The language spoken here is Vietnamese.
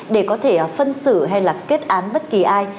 để có thể phân xử hay là kết án bất kỳ ai